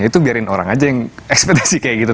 itu biarin orang aja yang ekspedisi kayak gitu